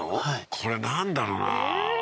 これなんだろうな？